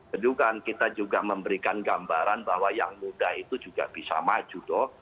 kedua kita juga memberikan gambaran bahwa yang muda itu juga bisa maju doh